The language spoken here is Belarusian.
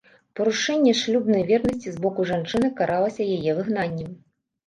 Парушэнне шлюбнай вернасці з боку жанчыны каралася яе выгнаннем.